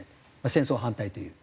戦争反対という。